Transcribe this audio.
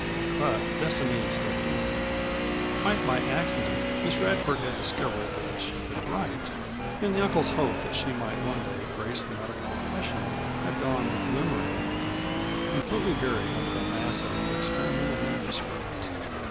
But Destiny had stepped in. Quite by accident Miss Radford had discovered that she could write, and the uncle's hope that she might one day grace the medical profession had gone glimmering completely buried under a mass of experimental manuscript.